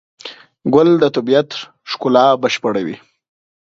ګل د طبیعت ښکلا بشپړوي.